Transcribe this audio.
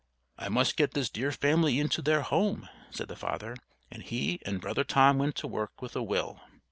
"I must get this dear family into their home," said the father; and he and Brother Tom went to work with a will.